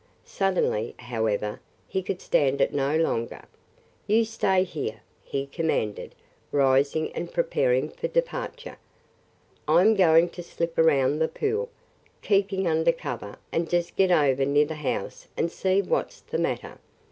Suddenly, however, he could stand it no longer. "You stay here!" he commanded, rising and preparing for departure. "I 'm going to slip around the pool, keeping under cover, and just get over near the house and see what 's the matter.